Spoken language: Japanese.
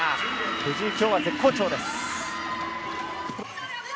藤井、きょうは絶好調です。